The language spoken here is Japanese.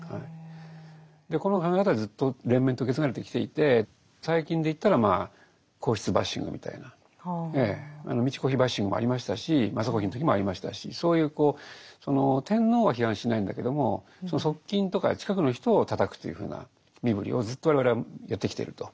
この考え方はずっと連綿と受け継がれてきていて最近で言ったらまあ皇室バッシングみたいな美智子妃バッシングもありましたし雅子妃の時もありましたしそういう天皇は批判しないんだけどもその側近とか近くの人をたたくというふうな身振りをずっと我々はやってきていると。